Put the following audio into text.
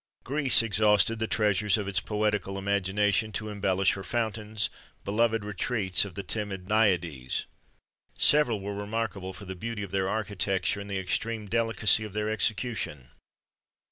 Greece exhausted the treasures of its poetical imagination to embellish her fountains, beloved retreats of the timid Naiades. Several were remarkable for the beauty of their architecture and the extreme delicacy of their execution.